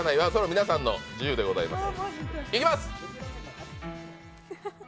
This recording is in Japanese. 皆さんの自由でございます。